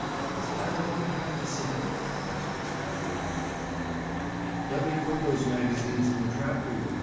"Is that all you have to say?" asked Miss Gwendoline after a moment. "Let me put those magazines in the trap for you?"